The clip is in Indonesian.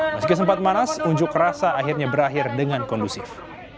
meski sempat manas unjuk rasa akhirnya berakhir dengan kondusif